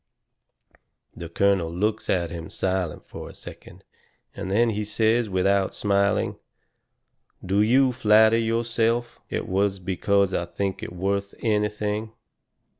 The colonel looks at him silent fur a second, and then he says, without smiling: "Do you flatter yourself it was because I think it worth anything?"